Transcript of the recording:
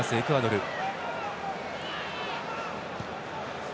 エクアドルは。